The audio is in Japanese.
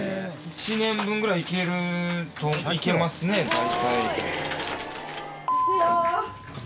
１年分ぐらいいけるいけますね大体。